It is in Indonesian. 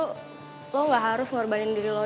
kamu tidak harus mengorbankan diri kamu